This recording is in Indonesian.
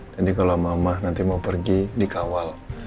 jadi kalau mama nanti mau pergi dikawal